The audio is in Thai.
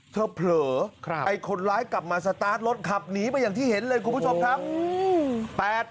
เผลอไอ้คนร้ายกลับมาสตาร์ทรถขับหนีไปอย่างที่เห็นเลยคุณผู้ชมครับ